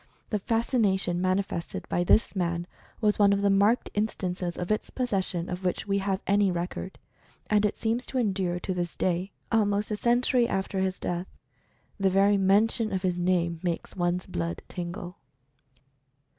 The fascination manifested by this man was one of the marked in stances of its possession of which we have any record. And it seems to endure to this day — almost a century after his death. The very mention of his name makes one's blood tingle.